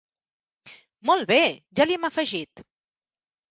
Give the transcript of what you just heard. Molt bé, ja li hem afegit.